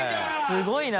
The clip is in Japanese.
すごいな。